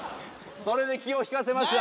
それで気を引かせました。